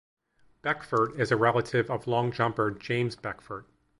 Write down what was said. Beckford is a relative of long jumper James Beckford.